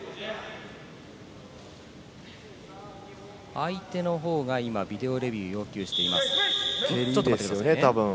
相手のほうがビデオレビューを要求しています。